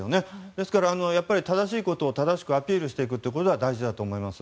ですから、正しいことを正しくアピールしていくことは大事だと思います。